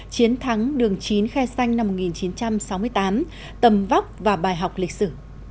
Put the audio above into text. chiến thắng đường chín khe xanh năm một nghìn chín trăm sáu mươi tám tầm vóc và bài học lịch sử